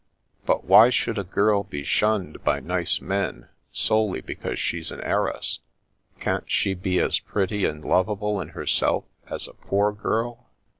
But why should a girl be shunned by nice men solely because she's an heir ess? Can't she be as pretty and lovable in herself as a poor girl?